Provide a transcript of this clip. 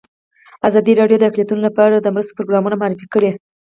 ازادي راډیو د اقلیتونه لپاره د مرستو پروګرامونه معرفي کړي.